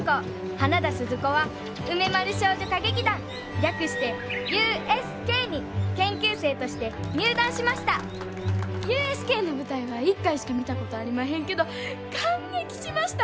花田鈴子は梅丸少女歌劇団略してＵＳＫに研究生として入団しましたＵＳＫの舞台は１回しか見たことありまへんけど感激しました！